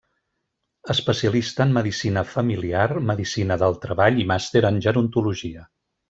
Especialista en Medicina Familiar, Medicina del Treball i Màster en gerontologia.